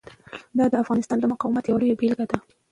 دا د افغانانو د مقاومت یوه لویه بیلګه ده.